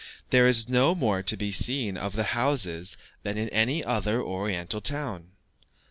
There is no more to be seen of the houses than in any other Oriental town.